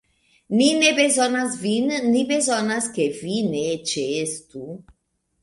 Ni ne bezonas vin; ni bezonas, ke vi ne ĉeestu.